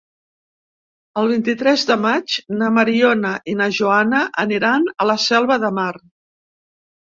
El vint-i-tres de maig na Mariona i na Joana aniran a la Selva de Mar.